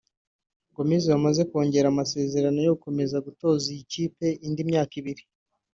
Gomez wamaze kongera amasezerano yo gukomeza gutoza iyo kipe indi myaka ibiri